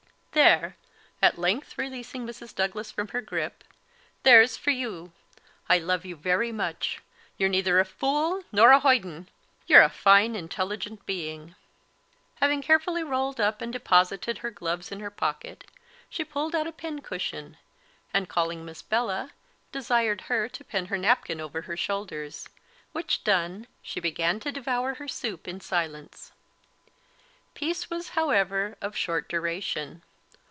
"There," at length releasing Mrs Douglas from her gripe "there's for you! I love you very much; you're neither a fool nor a hoyden; you're a fine intelligent being." Having carefully rolled up and deposited her gloves in her pocket, she pulled out a pin cushion, and calling Miss Bella, desired her to pin her napkin over her shoulders; which done, she began to devour her soup in silence. Peace was, however, of short duration.